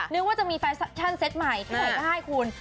นึกว่าจะมีแฟชั่นเซตใหม่ที่ไหนได้คุณ